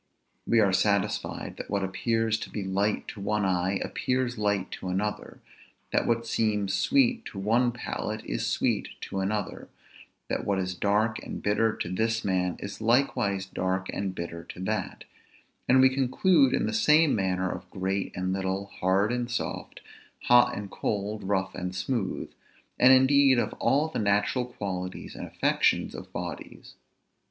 We are satisfied that what appears to be light to one eye, appears light to another; that what seems sweet to one palate, is sweet to another; that what is dark and bitter to this man, is likewise dark and bitter to that; and we conclude in the same manner of great and little, hard and soft, hot and cold, rough and smooth; and indeed of all the natural qualities and affections of bodies.